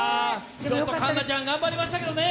環奈ちゃん、頑張りましたけどね。